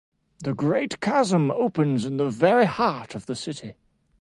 The great chasm opens in the very heart of the city.